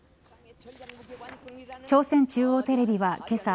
朝鮮中央テレビはけさ